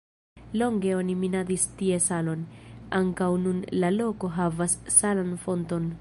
Longe oni minadis tie salon, ankaŭ nun la loko havas salan fonton.